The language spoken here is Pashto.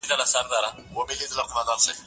لوښي د مور له خوا وچول کيږي؟